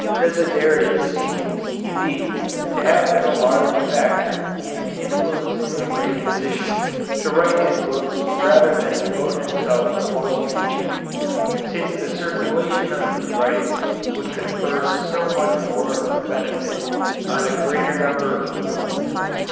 Desiderius seems, indeed, to have been a large factor in influencing the great physician to write his books rather than devote himself to oral teaching, since the circulation of his writing would confer so much more of benefit on a greater number of people.